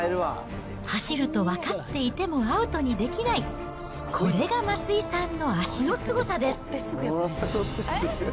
走ると分かっていてもアウトにできない、これが松井さんの足のすごさです。